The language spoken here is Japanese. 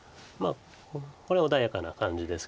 これは穏やかな感じですけど。